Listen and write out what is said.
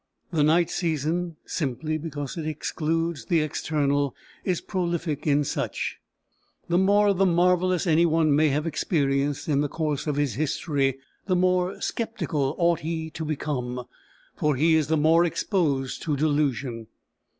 The night season, simply because it excludes the external, is prolific in such. The more of the marvellous any one may have experienced in the course of his history, the more sceptical ought he to become, for he is the more exposed to delusion.